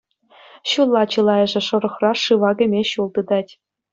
Ҫулла чылайӑшӗ шӑрӑхра шыва кӗме ҫул тытать.